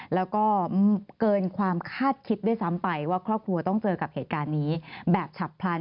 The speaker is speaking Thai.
แล้วก็เกินความคาดคิดด้วยซ้ำไปว่าครอบครัวต้องเจอกับเหตุการณ์นี้แบบฉับพลัน